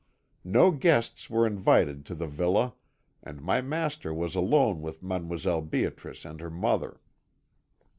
No guests were invited to the villa, and my master was alone with Mdlle. Beatrice and her mother.